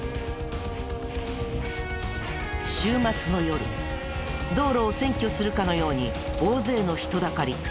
週末の夜道路を占拠するかのように大勢の人だかり。